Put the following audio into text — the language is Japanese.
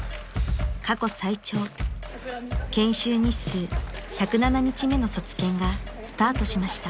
［過去最長研修日数１０７日目の卒検がスタートしました］